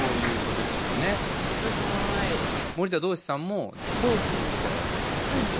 森田童子さんもフォークの時代あったじゃないですか。